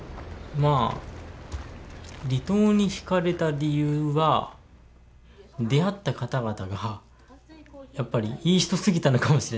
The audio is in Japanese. まあ離島に惹かれた理由は出会った方々がやっぱりいい人すぎたのかもしれないですよね。